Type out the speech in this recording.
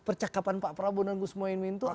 percakapan pak prabowo dan gus moemin itu apa